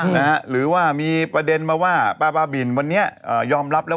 นะหรือว่ามีประเด็นมาว่าป้าป้าบิลยอมรับแล้ว